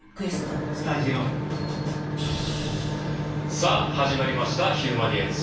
さあ始まりました「ヒューマニエンス」。